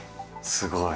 すごい！